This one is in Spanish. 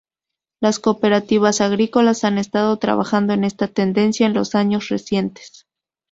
Las cooperativas agrícolas han estado trabajando en esta tendencia en los años recientes.